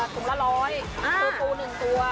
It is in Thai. ถุงละ๑๐๐บาทสูบปู๑ตัว